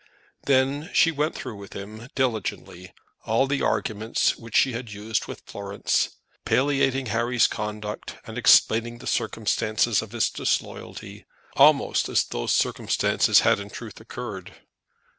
Then she went through with him, diligently, all the arguments which she had used with Florence, palliating Harry's conduct, and explaining the circumstances of his disloyalty, almost as those circumstances had in truth occurred.